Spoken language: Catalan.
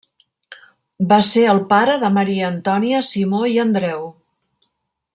Va ser el pare de Maria Antònia Simó i Andreu.